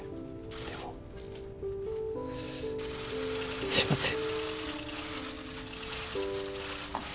でも、すみません。